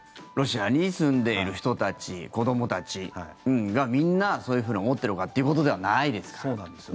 ロシアに住んでいる人たち子どもたちがみんなそういうふうに思ってるのかってことではないですから。